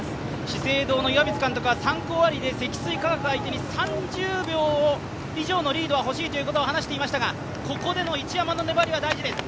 資生堂の岩水監督は３区終わりで積水化学相手に３０秒以上のリードはは欲しいと話していましたが、ここでの一山の粘りは大事です。